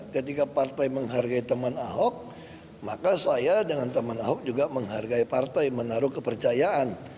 ketika partai menghargai teman ahok maka saya dengan teman ahok juga menghargai partai menaruh kepercayaan